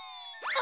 あ！